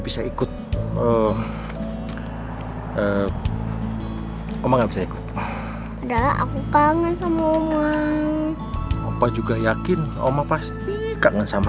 bisa ikut eh eh omang bisa ikut udah aku kangen sama omang opa juga yakin oma pasti kangen sama